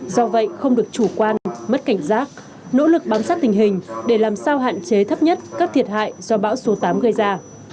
do vậy không được chủ quan mất cảnh giác nỗ lực bám sát tình hình để làm sao hạn chế thấp nhất các thiệt hại do bão số tám gây ra